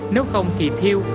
nếu không thì thiêu